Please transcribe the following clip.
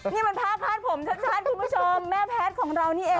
นี่มันภาพคาดผมชัดคุณผู้ชมแม่แพทย์ของเรานี่เอง